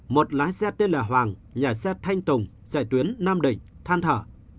một lái xe tên là hoàng nhà xe thanh tùng chạy tuyến nam định than thở